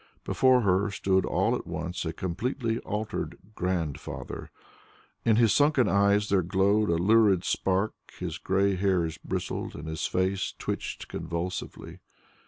Before her stood all at once a completely altered "grandfather." In his sunken eyes there glowed a lurid spark, his grey hairs bristled, and his face twitched convulsively.